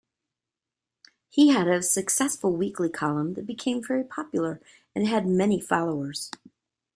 He had a successful weekly colum that became very popular and had many followers.